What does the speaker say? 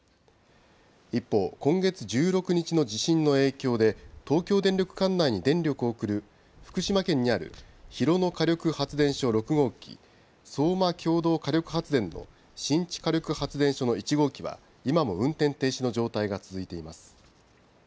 一方、今月１６日の地震の影響で、東京電力管内に電力を送る、福島県にある広野火力発電所６号機、相馬共同火力発電の新地火力発電所の１号機は、今も運転停止の状態が続いています。